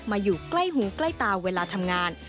อยู่ใกล้หูใกล้ตาเวลาทำงาน